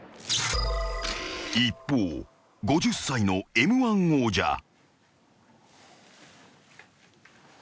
［一方５０歳のＭ−１王者］